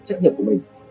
trách nhiệm của mình